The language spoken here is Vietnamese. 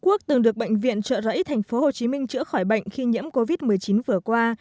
trung quốc từng được bệnh viện trợ rẫy tp hcm chữa khỏi bệnh khi nhiễm covid một mươi chín vừa qua